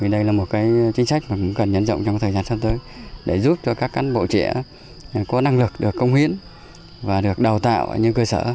đây là một chính sách cần nhấn rộng trong thời gian sắp tới để giúp cho các cán bộ trẻ có năng lực được công huyến và được đào tạo ở những cơ sở